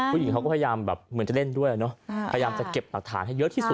ผู้หญิงเขาก็พยายามแบบเหมือนจะเล่นด้วยเนอะพยายามจะเก็บหลักฐานให้เยอะที่สุด